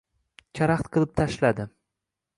karaxt qilib tashladi.